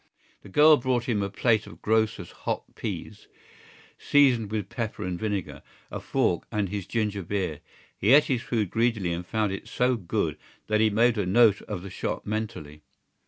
The girl brought him a plate of grocer's hot peas, seasoned with pepper and vinegar, a fork and his ginger beer. He ate his food greedily and found it so good that he made a note of the shop mentally.